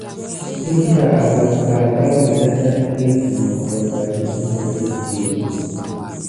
Ǝzǝra agapka, mbar mudatɗa mǝgilgǝn mogon va ɗih mbiriɗi.